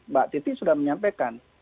mbak titi sudah menyampaikan